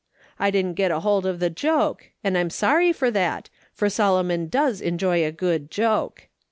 I didn't get hold of the joke, and I'm sorry for that, for Solomon does enjoy a good joke.